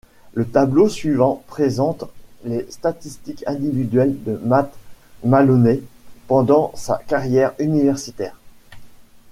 Le tableau suivant présente les statistiques individuelles de Matt Maloney pendant sa carrière universitaire.